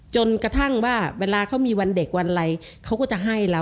จนกระทั่งว่าเวลาเขามีวันเด็กวันอะไรเขาก็จะให้เรา